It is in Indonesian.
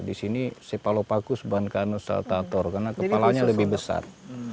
nah ini si palopagus bancanus saltator karena kepalanya lebih besar